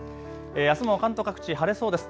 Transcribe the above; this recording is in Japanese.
あすも関東各地、晴れそうです。